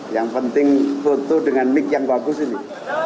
yang penting foto dengan nick yang bagus ini